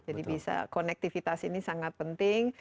jadi bisa konektivitas ini sangat penting